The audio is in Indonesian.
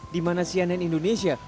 di mana cnn indonesia